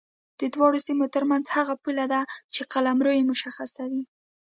د دواړو سیمو ترمنځ هغه پوله ده چې قلمرو یې مشخصوي.